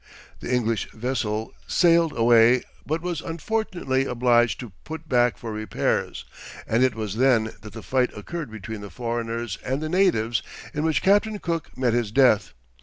The English vessel sailed away, but was unfortunately obliged to put back for repairs, and it was then that the fight occurred between the foreigners and the natives in which Captain Cook met his death.